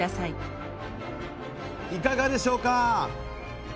いかがでしょうか？